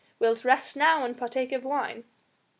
Wilt rest now and partake of wine?"